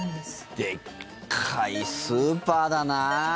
でっかいスーパーだなあ。